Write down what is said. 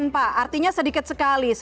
pak artinya sedikit sekali